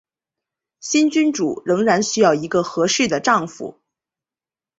新君主仍然需要一个合适的丈夫。